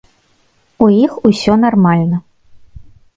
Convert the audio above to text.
У іх усё нармальна.